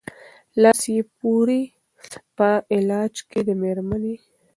لاس یې پوري په علاج کړ د مېرمني